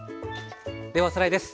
ではおさらいです。